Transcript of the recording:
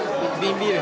ビール。